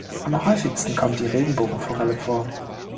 Am häufigsten kommt die Regenbogenforelle vor.